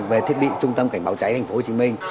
về thiết bị trung tâm cảnh báo cháy tp hcm